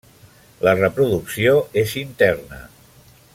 La reproducció és interna.